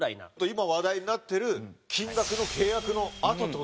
今話題になってる金額の契約のあとっていう事ですね？